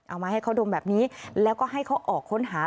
เอามาให้เขาดมแบบนี้แล้วก็ให้เขาออกค้นหา